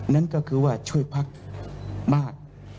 นั่นก็คือว่าช่วยพักมาก